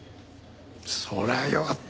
そりゃあよかった！